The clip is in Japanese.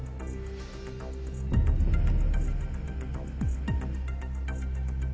うん。